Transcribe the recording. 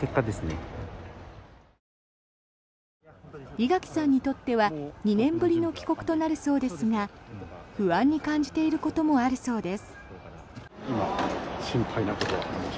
井垣さんにとっては２年ぶりの帰国となるそうですが不安に感じていることもあるそうです。